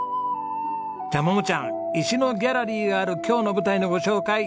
じゃあ桃ちゃん石のギャラリーがある今日の舞台のご紹介